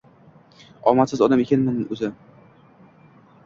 Omadsiz odam ekanman o`zi